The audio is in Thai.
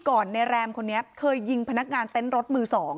ก่อนเนียเรมคนนี้เคยยิงพนักงานเต็นท์รถมือสอง